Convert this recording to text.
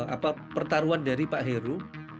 apa pertaruhan dari pak heru